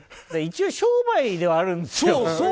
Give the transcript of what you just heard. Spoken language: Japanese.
一応、商売ではあるんですよ。